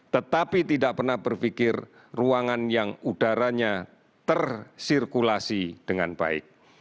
tetapi tidak pernah berpikir ruangan yang udaranya tersirkulasi dengan baik